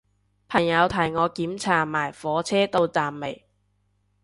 朋友提我檢查埋火車到咗站未